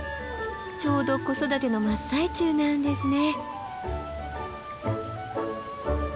ちょうど子育ての真っ最中なんですね。